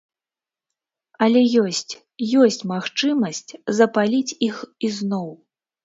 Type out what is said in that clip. Але ёсць, ёсць магчымасць запаліць іх ізноў!